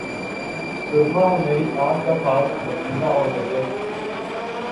سرمہ ہے میری آنکھ کا خاک مدینہ و نجف